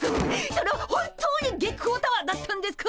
それ本当に月光タワーだったんですか！？